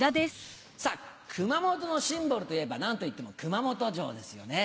さあ、熊本のシンボルといえば、なんといっても熊本城ですよね。